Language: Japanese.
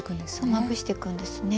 まぶしていくんですね。